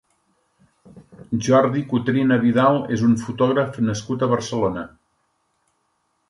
Jordi Cotrina Vidal és un fotògraf nascut a Barcelona.